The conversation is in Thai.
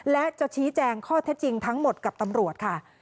และจะชี้แจงข้อเท็จจริงทั้งหมดกับตำรวจค่ะ